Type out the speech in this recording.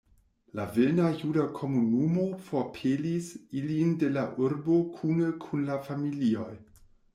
La vilna juda komunumo forpelis ilin de la urbo kune kun la familioj.